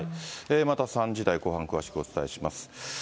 また３時台後半、詳しくお伝えします。